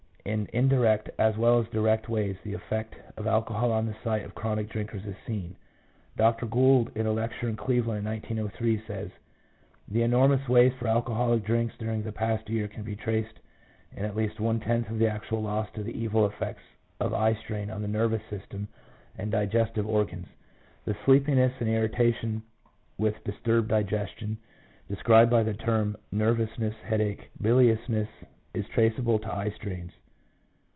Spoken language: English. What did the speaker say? In indirect, as well as direct ways the effect of alcohol on the sight of chronic drinkers is seen. Dr. Gould, in a lecture in Cleveland in 1903, said, "The enormous waste for alcoholic drinks during the past year can be traced in at least one tenth of the actual loss to the evil effects of eye strain on the nervous system and digestive organs. The sleeplessness and irritation with disturbed digestion, described by the term nervousness, headache, biliousness, is traceable to eye strains."